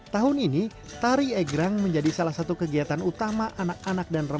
tahun ini tari egrang menjadi salah satu kegiatan utama anak alam di kampung anyar